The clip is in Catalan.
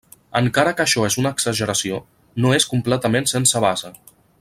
Encara que això és una exageració, no és completament sense base.